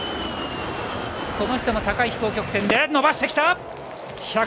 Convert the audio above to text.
この人も高い飛行曲線で伸ばしてきた！